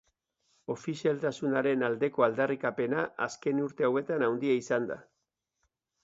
Ofizialtasunaren aldeko aldarrikapena azken urte hauetan handia izan da.